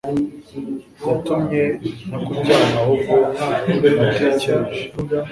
yatumye ntakujyana ahubwo natekereje